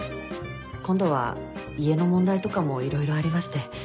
今度は家の問題とかも色々ありまして。